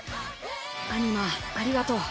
アニマありがとう。